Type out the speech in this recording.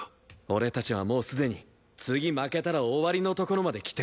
俺たちはもうすでに次負けたら終わりのところまできてるんだ。